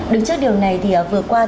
đứng trước điều này thì vừa qua